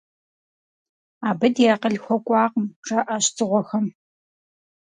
Абы ди акъыл хуэкӀуакъым, - жаӀащ дзыгъуэхэм.